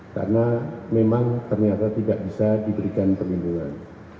karena memang ternyata tidak bisa diberikan perlindungan